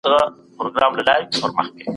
پښتو ژبه ډېر ځانګړي ږغونه لري.